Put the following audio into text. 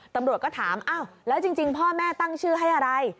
ตำรวจก็ถามอ้าวแล้วจริงพ่อแม่ตั้งชื่อให้อะไร